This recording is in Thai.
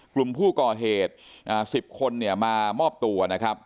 กลุ่มผู้ก่อเหตุ๑๐คนเนี่ยมามอบตัวนะครับ